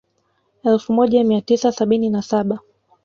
Elfu moja mia tisa sabini na saba